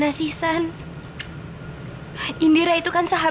maksudnya aku jenguk mereka